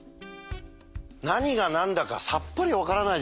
何が何だかさっぱり分からないですよね？